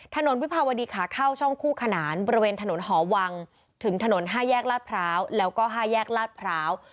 วิภาวดีขาเข้าช่องคู่ขนานบริเวณถนนหอวังถึงถนน๕แยกลาดพร้าวแล้วก็๕แยกลาดพร้าว